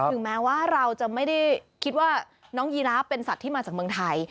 ถึงแม้ว่าเราจะไม่ได้คิดว่าน้องยีราเป็นสัตว์ที่มาจากเมืองไทย